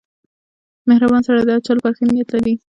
• مهربان سړی د هر چا لپاره ښه نیت لري.